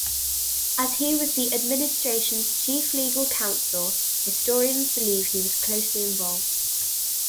As he was the administration's chief legal counsel, historians believe he was closely involved.